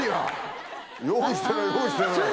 用意してない用意してない。